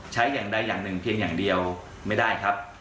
อย่างใดอย่างหนึ่งเพียงอย่างเดียวไม่ได้ครับ